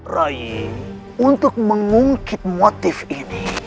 rayi untuk mengungkit motif ini